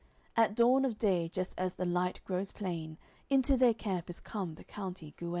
At dawn of day, just as the light grows plain, Into their camp is come the county Guene.